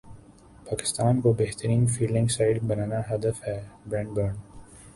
پاکستان کو بہترین fielding side بنانا ہدف ہے بریڈ برن